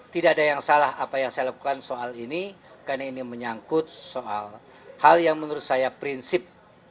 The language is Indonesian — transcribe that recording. tidak ada yang salah apa yang saya lakukan soal ini karena ini menyangkut soal hal yang menurut saya prinsip